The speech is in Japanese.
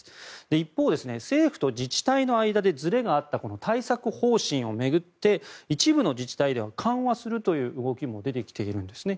一方、政府と自治体の間でずれがあった対策方針を巡って一部の自治体では緩和するという動きも出てきているんですね。